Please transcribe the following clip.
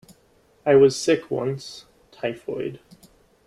I was sick once -- typhoid.